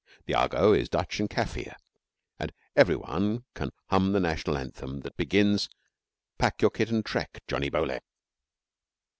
The argot is Dutch and Kaffir, and every one can hum the national anthem that begins 'Pack your kit and trek, Johnny Bowlegs.'